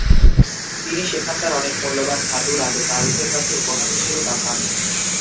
তিনি সেখানকার অনেক মূল্যবান ধাতু রাজা চার্লসের কাছে উপহার হিসেবে পাঠান।